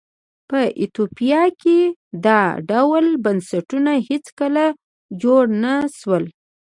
په ایتوپیا کې دا ډول بنسټونه هېڅکله جوړ نه شول.